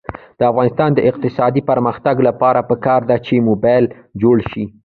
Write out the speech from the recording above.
د افغانستان د اقتصادي پرمختګ لپاره پکار ده چې موبلایل جوړ شي.